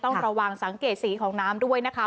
ต้องระวังสังเกตสีของน้ำด้วยนะคะ